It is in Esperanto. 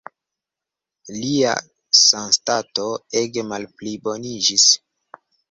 Lia sanstato ege malpliboniĝis.